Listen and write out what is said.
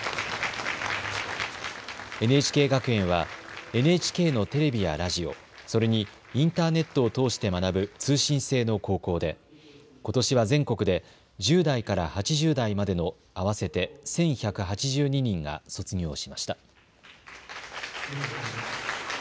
ＮＨＫ学園はＮＨＫのテレビやラジオ、それにインターネットを通して学ぶ通信制の高校でことしは全国で１０代から８０代までの合わせて１１８２人が卒業しました。